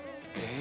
え！